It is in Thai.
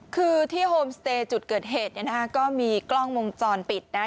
คือที่โฮมสเตย์จุดเกิดเหตุก็มีกล้องวงจรปิดนะครับ